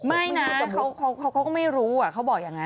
ไม่นะเขาก็ไม่รู้อ่ะเขาบอกอย่างนั้นเจ้าบ้านมาซื้อ